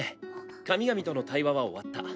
神々との対話は終わった。